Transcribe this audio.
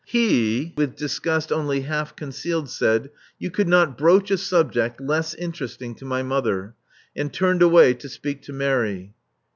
He, with disgust only half concealed, said, "You could not broach a subject less interest ing to my mother," and turned away to speak to Mary.